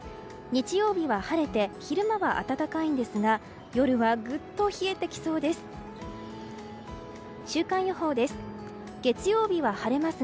日曜日は晴れて昼間は暖かいんですが夜はぐっと冷えてきそうです。